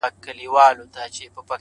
او توري څڼي به دي;